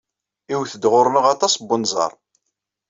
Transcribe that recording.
Iwet-d ɣer-neɣ aṭas n unẓar.